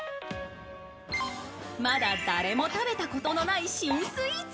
まだ誰も食べたことのない新スイーツ。